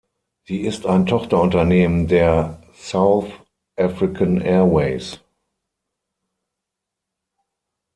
Sie ist ein Tochterunternehmen der South African Airways.